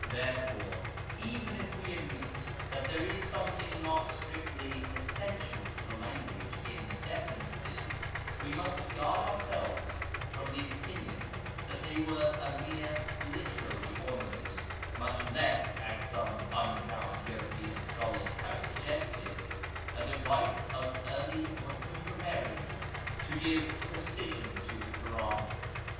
Therefore, even if we admit that there is something not strictly essential to the language in the desinences, we must guard ourselves from the opinion that they were a mere literary ornament, much less, as some unsound European scholars have suggested, a device of the early Moslem grammarians to give precision to the Koran.